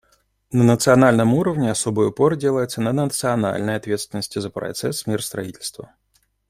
На национальном уровне особый упор делается на национальной ответственности за процесс миростроительства.